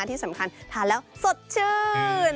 ที่สำคัญทานแล้วสดชื่น